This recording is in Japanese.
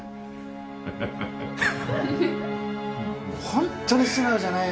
ホンットに素直じゃないよね。